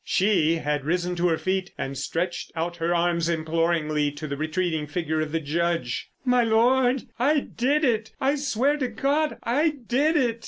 She had risen to her feet and stretched out her arms imploringly to the retreating figure of the Judge. "My Lord, I did it! I swear to God I did it!"